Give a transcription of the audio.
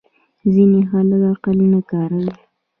ځینې خلک عقل نه کاروي.